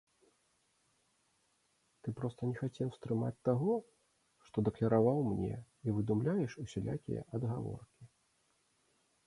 Ты проста не хацеў стрымаць таго, што дакляраваў мне, і выдумляеш усялякія адгаворкі.